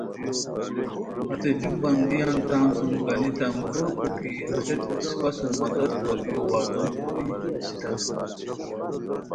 ہتے جو بندیان تان سُوم گانیتام کوریکو کی ہتیت اِسپہ سُوم مدد کوریکو وعدو کوری اسیتانی